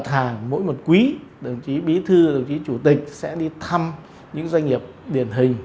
hàng mỗi một quý đồng chí bí thư đồng chí chủ tịch sẽ đi thăm những doanh nghiệp điển hình